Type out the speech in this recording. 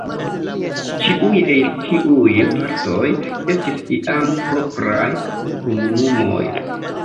Ĉiuj el tiuj partoj estis iam propraj komunumoj.